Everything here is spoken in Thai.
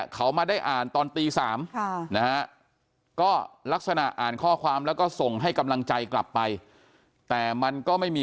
ก็ลักษณะอ่านข้อความแล้วก็ส่งให้กำลังใจกลับไปแต่มันก็ไม่มี